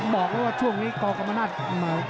บอกก็ว่าช่วงนี้กอร์กฟามันนาัส